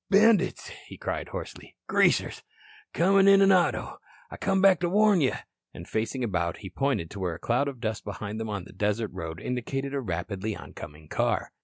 "Bandits," he cried hoarsely. "Greasers. Comin' in an auto. I come back to warn you." And facing about he pointed to where a cloud of dust behind him on the desert road indicated a rapidly oncoming car.